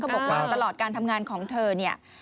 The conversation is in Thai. เขาบอกว่าตลอดการทำงานของเธอ